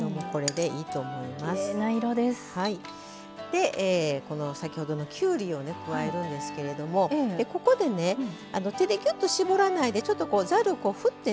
でこの先ほどのきゅうりをね加えるんですけれどもここでね手でぎゅっと絞らないでちょっとこうざるを振ってね。